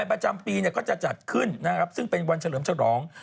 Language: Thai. ประจำปีก็จะจัดขึ้นนะครับซึ่งเป็นวันเฉลิมฉลอง